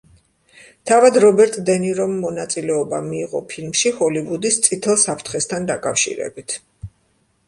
თავად რობერტ დე ნირომ მონაწილეობა მიიღო ფილმში ჰოლივუდის წითელ საფრთხესთან დაკავშირებით.